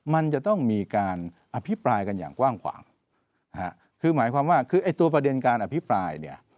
มันจะต้องมีการอภิปรายกันอย่างกว้างขวางคือหมายความว่าคือไอ้ตัวประเด็นการอภิปรายเนี่ย